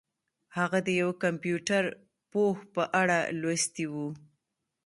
هغه د یو کمپیوټر پوه په اړه لوستي وو